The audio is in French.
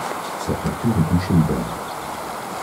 Sa fracture est conchoïdale.